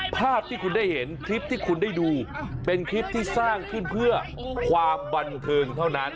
ภาพที่คุณได้เห็นคลิปที่คุณได้ดูเป็นคลิปที่สร้างขึ้นเพื่อความบันเทิงเท่านั้น